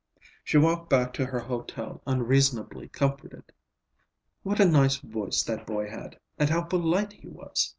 She walked back to her hotel unreasonably comforted. "What a nice voice that boy had, and how polite he was.